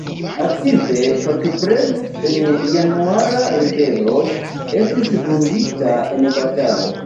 Aktive partoprenis en Januara ribelo, estis vundita en batalo.